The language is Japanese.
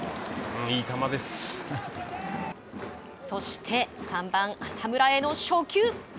そして３番浅村への初球。